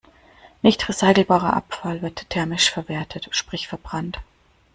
Nicht recycelbarer Abfall wird thermisch verwertet, sprich verbrannt.